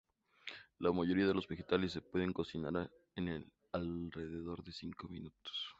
La mayoría de los vegetales se pueden cocinar en alrededor de cinco minutos.